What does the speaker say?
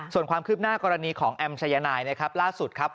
ส่วนความคืบหน้ากรณีของแอมชายนายนะครับล่าสุดครับ